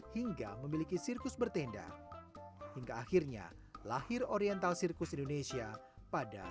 hingga memiliki sirkus bertenda hingga akhirnya lahir oriental sirkus indonesia pada seribu sembilan ratus enam puluh tiga